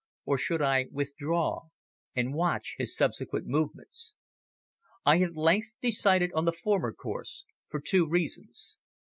or should I withdraw and watch his subsequent movements? I at length decided on the former course for two reasons.